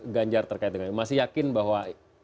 ganjar terkait dengan masih yakin bahwa